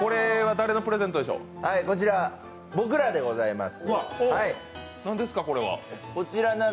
こちら僕らでございます。